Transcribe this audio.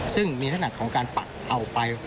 ซึ่งมีธนัดของการปักเอาไป